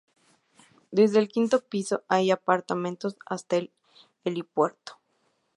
Desde el quinto piso hay apartamentos hasta el helipuerto.